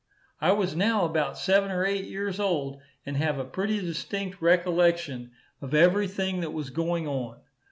I was now about seven or eight years old, and have a pretty distinct recollection of every thing that was going on.